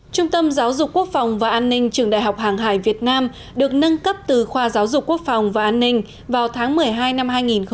trung tâm giáo dục quốc phòng và an ninh trường đại học hàng hải việt nam được nâng cấp từ khoa giáo dục quốc phòng và an ninh vào tháng một mươi hai năm hai nghìn một mươi tám